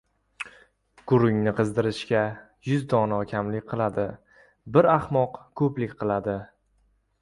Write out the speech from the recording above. • Gurungni qizdirishga yuz dono kamlik qiladi, bir ahmoq ko‘plik qiladi.